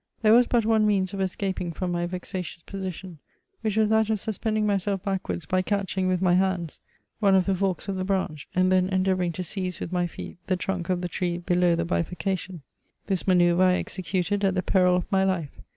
There was but one means of escaping Irom my vexatious position, which was that of suspending myself back wards by catching, with my hands, one of the forks of the branch, and then endeavouring to seize with my feet the trunk of the tree below the bifurcation. This manoeuvre I executed at the peril of my life.